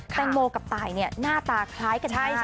แตงโมกับตายเนี่ยหน้าตาคล้ายกันมาก